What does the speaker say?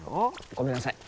ごめんなさい。